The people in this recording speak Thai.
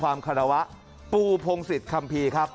และก็มีการกินยาละลายริ่มเลือดแล้วก็ยาละลายขายมันมาเลยตลอดครับ